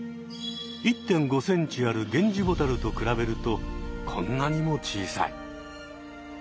１．５ｃｍあるゲンジボタルと比べるとこんなにも小さい。